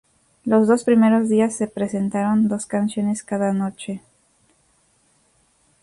Los dos primeros días se presentaron dos canciones cada noche.